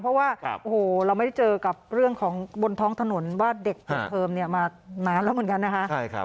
เพราะว่าโอ้โหเราไม่ได้เจอกับเรื่องของบนท้องถนนว่าเด็กเปิดเทอมมานานแล้วเหมือนกันนะคะ